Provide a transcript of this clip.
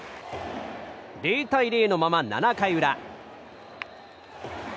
０対０のまま７回裏。